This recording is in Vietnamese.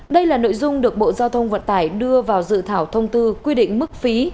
đây là nội dung được bộ giao thông vận tải đưa vào dự thảo thông tư quy định mức phí